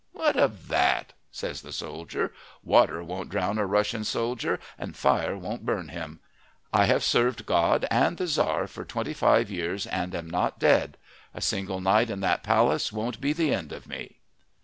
"What of that?" says the soldier. "Water won't drown a Russian soldier, and fire won't burn him. I have served God and the Tzar for twenty five years and am not dead. A single night in that palace won't be end of me."